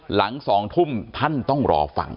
หลัง๒ทุ่มท่านต้องรอฟัง